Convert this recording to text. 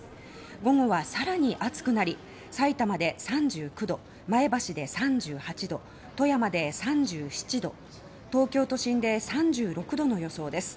午後はさらに暑くなりさいたまで３９度前橋で３８度富山で３７度東京都心で３６度の予想です。